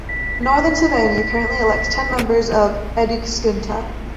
Northern Savonia currently elects ten members of the "Eduskunta".